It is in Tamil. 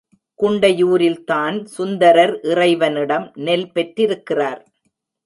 குண்டையூரில்தான் சுந்தரர் இறைவனிடம் நெல் பெற்றிருக்கிறார்.